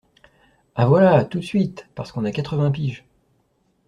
Ah voilà ! Tout de suite ! Parce qu’on a quatre-vingts piges